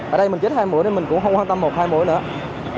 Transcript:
ở đây mình chích hai mũi nên mình cũng không quan tâm một hai mũi nữa